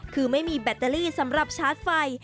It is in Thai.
คือไม่มีแบตเตอรี่สำหรับชาร์จไฟ